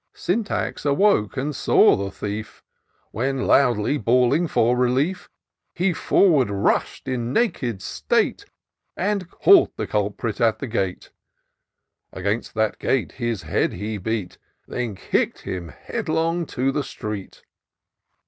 Syntax awoke, and saw the thief; When, loudly bawling for relief. He forward rush'd in naked state, And caught the culprit at the gate : Against that gate his head he beat. Then kick'd him headlong to the street.